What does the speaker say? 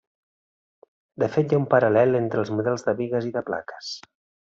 De fet hi ha un paral·lel entre els models de bigues i de plaques.